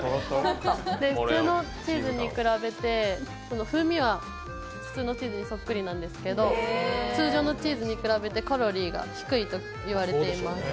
普通のチーズに比べて、風味は普通のチーズにそっくりなんですけど、通常のチーズに比べてカロリーが低いと言われています。